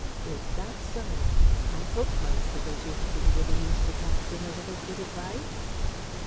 "Is that so? I hope, my Skittles, you have been giving Mr. Paxton a little good advice?"